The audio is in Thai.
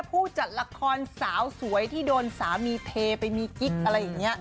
ผู้จัดละครสาวสวยที่โดนสามีเทไปมีกิ๊กอะไรอย่างนี้